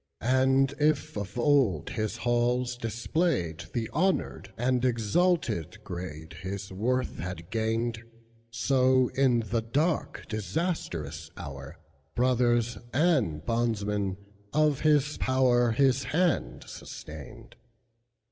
And if of old his halls displayedThe honored and exalted gradeHis worth had gained, So, in the dark, disastrous hour, Brothers and bondsmen of his powerHis hand sustained.